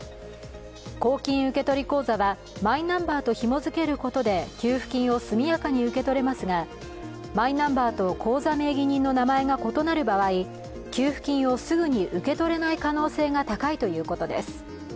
公金受取口座はマイナンバーとひも付けることで給付金を速やかに受け取れますが、マイナンバーと口座名義人の名前が異なる場合、給付金をすぐに受け取れない可能性が高いということです。